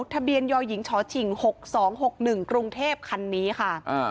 ทะเบียนยหญิงชฉิง๖๒๖๑กรุงเทพคันนี้ค่ะ